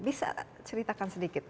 bisa ceritakan sedikit